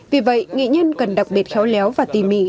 vì vậy nghệ nhân cần đặc biệt khéo léo và tỉ mỉ